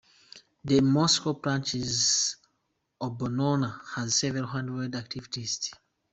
The Moscow branch of Oborona has several hundred activists.